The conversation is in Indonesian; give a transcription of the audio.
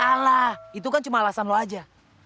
salah itu kan cuma alasan lo aja